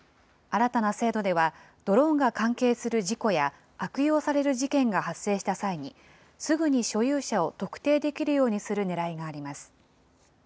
新たな制度では、ドローンが関係する事故や、悪用される事件が発生した際に、すぐに所有者を特定できるようにするねらいがあります。